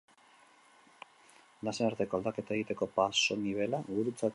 Nasen arteko aldaketa egiteko pasonibela gurutzatu beharra dago.